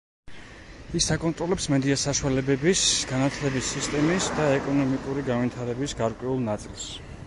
ის აკონტროლებს მედია საშუალებების, განათლების სისტემის და ეკონომიკური განვითარების გარკვეულ ნაწილს.